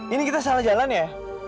ini kita salah jalan ya